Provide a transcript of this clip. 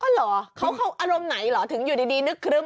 อ้อหรอเขาเขาอารมณ์ไหนหรอถึงอยู่ดีดีนึกคลืม